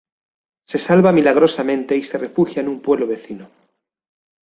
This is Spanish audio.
Se salva milagrosamente y se refugia en un pueblo vecino.